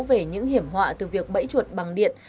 về những hiểm họa từ việc bẫy chuột bằng điện